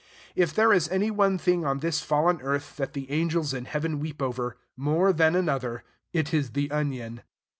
If there is any one thing on this fallen earth that the angels in heaven weep over more than another, it is the onion.